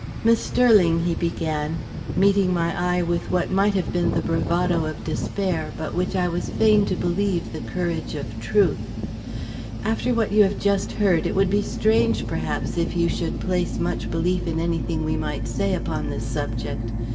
"Miss Sterling," he began, meeting my eye with what might have been the bravado of despair, but which I was fain to believe the courage of truth, "after what you have just heard, it would be strange, perhaps, if you should place much belief in any thing we may say upon this subject.